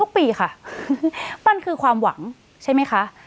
ปีค่ะมันคือความหวังใช่ไหมคะ